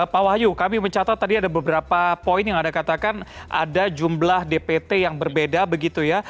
pak wahyu kami mencatat tadi ada beberapa poin yang anda katakan ada jumlah dpt yang berbeda begitu ya